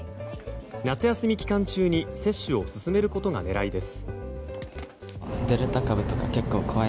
夏休み期間中に接種を進めることが狙いです。